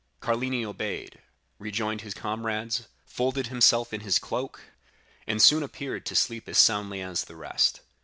"Carlini obeyed, rejoined his comrades, folded himself in his cloak, and soon appeared to sleep as soundly as the rest.